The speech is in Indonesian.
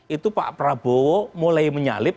itu pak prabowo mulai menyalip